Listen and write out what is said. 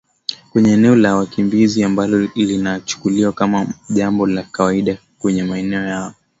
kwenye eneo la wakimbizi ambalo linachukuliwa kama jambo la kawaida Kwenye maeneo yao